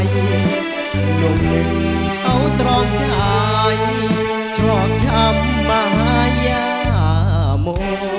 หนุ่มหนึ่งเอาตรองชายชอบชำมะยาโม